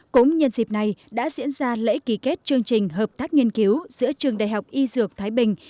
cũng nhân dịp này đã diễn ra lễ ký kết chương trình hợp tác nghiên cứu giữa trường đại học y dược thái bình